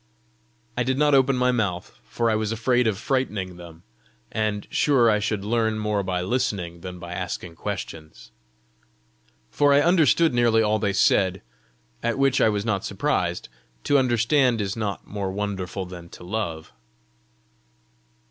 I did not open my mouth, for I was afraid of frightening them, and sure I should learn more by listening than by asking questions. For I understood nearly all they said at which I was not surprised: to understand is not more wonderful than to love.